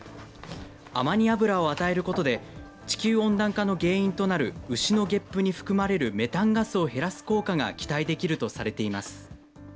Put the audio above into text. アマニ油を与えることで、地球温暖化の原因となる牛のげっぷに含まれるメタンガスを減らす効果が期待されるといいます。